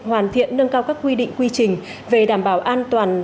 hoàn thiện nâng cao các quy định quy trình về đảm bảo an toàn